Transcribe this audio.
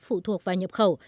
phụ thuộc vào nhập khẩu